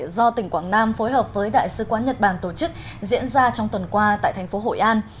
do tỉnh quảng nam phối hợp với đại sứ quán nhật bản tổ chức diễn ra trong tuần qua tại thành phố hội an